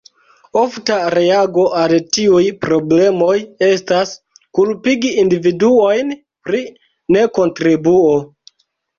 Ofta reago al tiuj problemoj estas, kulpigi individuojn pri nekontribuo.